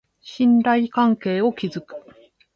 信頼関係を築く